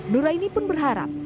nuraini pun berharap